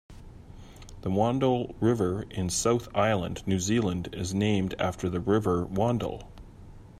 The Wandle River in South Island, New Zealand is named after the River Wandle.